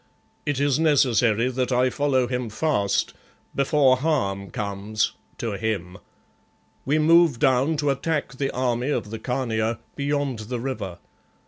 It is necessary that I follow him fast, before harm comes to him. We move down to attack the army of the Khania beyond the river.